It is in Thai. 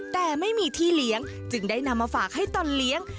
แต่ไม่มีที่เลี้ยงจึงได้นำมาฝากให้ตอนเลี้ยง